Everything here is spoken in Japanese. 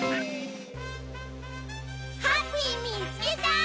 ハッピーみつけた！